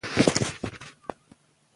سلیمان غر د افغانستان د ځمکې د جوړښت نښه ده.